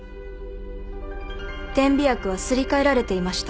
点鼻薬はすり替えられていました。